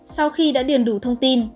sau khi đã điền đủ thông tin